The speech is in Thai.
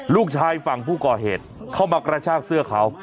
ลูกชายฝั่งผู้ก่อเหตุเข้ามากระชากเสื้อเขา